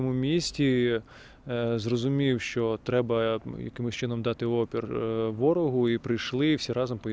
tapi setiap orang di tempat mereka mengerti bahwa harus menyerahkan musuh